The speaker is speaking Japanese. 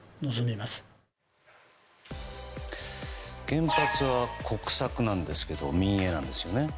原発は国策なんですけど民営なんですよね。